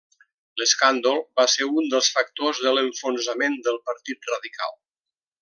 L'escàndol va ser un dels factors en l'enfonsament del Partit Radical.